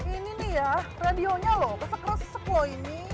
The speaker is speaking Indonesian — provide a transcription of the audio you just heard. ini nih ya radionya loh kesek resep loh ini